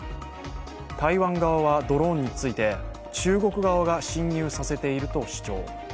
台湾側は、ドローンについて中国側が進入させていると主張。